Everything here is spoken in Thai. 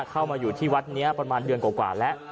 เข้ามาอยู่ที่วัดนี้ประมาณเดือนกว่าแล้ว